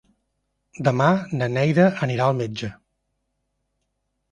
Demà na Neida anirà al metge.